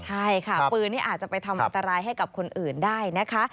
ใช่ค่ะปืนนี่อาจจะไปทำอันตรายให้กับคนอื่นได้นะคะ